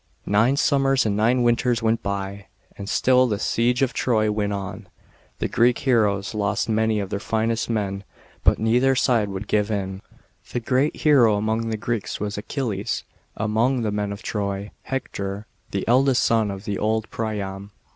Nine summers and nine winters went by, and still the siege of Troy went on. The Greek heroes B.C. 1184.] THE WOODEN HORSE. 63 i lost many of their finest nWi, but neither side woild give in. The great hero among the Greeks was Achilles, among the men of Troy, Hector, the eldest son of old Priam.